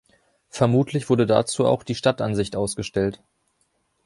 Vermutlich wurde dazu auch die Stadtansicht ausgestellt.